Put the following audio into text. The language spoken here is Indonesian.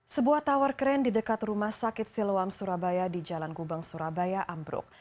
sebuah tower crane di dekat rumah sakit siloam surabaya di jalan gubeng surabaya ambruk